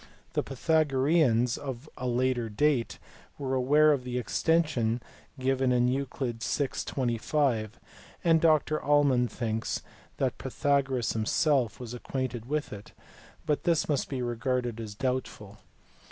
The Pythagoreans of a later date were aware of the extension given in Euc. vi. 25, and Dr Allman thinks that Pythagoras himself was acquainted with it, but this must be regarded as doubtful.